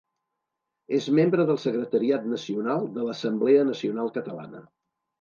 És membre del secretariat nacional de l'Assemblea Nacional Catalana.